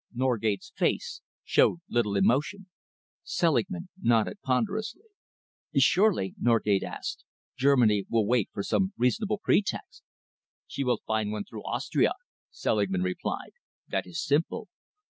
Norgate's face showed little emotion. Selingman nodded ponderously. "Surely," Norgate asked, "Germany will wait for some reasonable pretext?" "She will find one through Austria," Selingman replied. "That is simple.